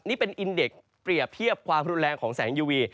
นี่เป็นอินเด็กเปรียบเทียบความรุนแรงของแสงยูวี